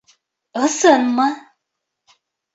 Ысынмы?